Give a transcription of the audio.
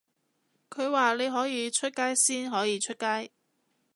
佢話你可以出街先可以出街